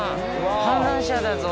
観覧車だぞ！